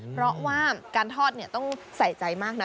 เพราะว่าการทอดต้องใส่ใจมากนะ